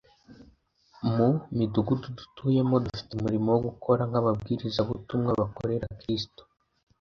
mu midugudu dutuyemo dufite umurimo wo gukora nk'ababwirizabutumwa bakorera Kristo.